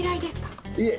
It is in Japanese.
いえ。